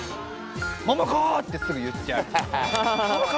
桃子！ってすぐ言っちゃう。